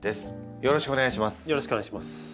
よろしくお願いします。